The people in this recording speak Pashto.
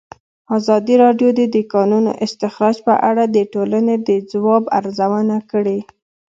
ازادي راډیو د د کانونو استخراج په اړه د ټولنې د ځواب ارزونه کړې.